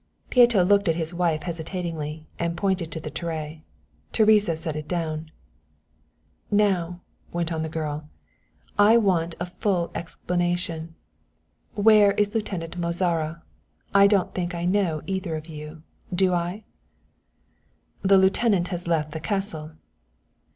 Pieto looked at his wife hesitatingly, and pointed to the tray. Teresa set it down. "Now," went on the girl, "I want a full explanation where is Lieutenant Mozara? I don't think I know either of you do I?" "The lieutenant has left the castle."